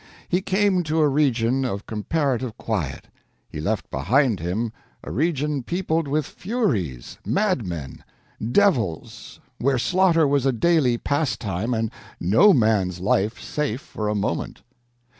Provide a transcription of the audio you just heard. He came to a region of comparative quiet; he left behind him a region peopled with furies, madmen, devils, where slaughter was a daily pastime and no man's life safe for a moment.